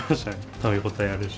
食べ応えあるし。